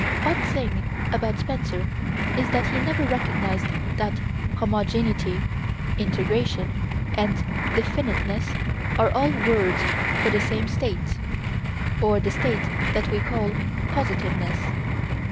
Odd thing about Spencer is that he never recognized that "homogeneity," "integration," and "definiteness" are all words for the same state, or the state that we call "positiveness."